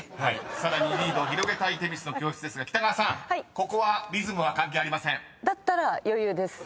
［さらにリードを広げたい女神の教室ですが北川さんここはリズムは関係ありません］